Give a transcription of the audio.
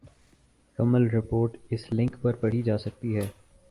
کمل report اس link پر پڑھی جا سکتی ہے ۔